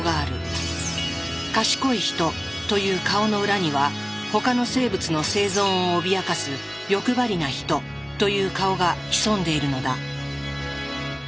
「賢いヒト」という顔の裏には他の生物の生存を脅かす「欲張りなヒト」という顔が潜んでいるのだ。